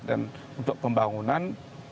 dan untuk pembangunan